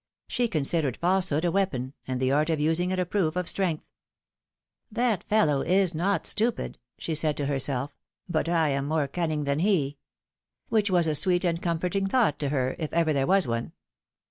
She considered falsehood a weapon, and the art of using it a proof of strength. '^That fellow is not stupid,'^ she said to herself; but I am more cunning than he.'' Which was a sweet and comforting thought to her, if ever there was one.